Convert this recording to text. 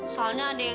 soalnya ada yang